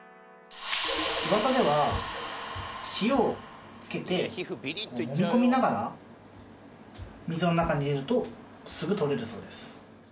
ウワサでは塩をつけてもみ込みながら水の中に入れるとすぐ取れるそうです。